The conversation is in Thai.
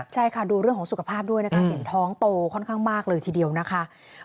ใช่ค่ะดูเรื่องของสุขภาพด้วยนะคะเห็นท้องโตค่อนข้างมากเลยทีเดียวนะคะ